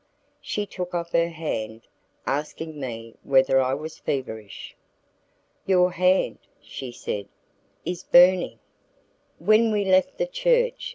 She took off her hand, asking me whether I was feverish. "Your hand," she said, "is burning." When we left the church, M.